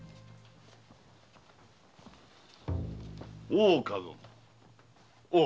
大岡殿。